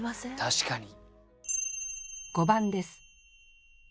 確かに。